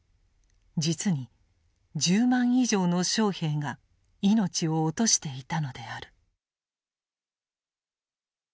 実に１０万以上の将兵が命を落としていたのである。